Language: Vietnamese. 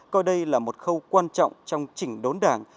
coi đây là một khâu quan trọng trong chỉnh đốn đảng